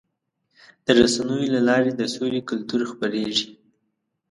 د رسنیو له لارې د سولې کلتور خپرېږي.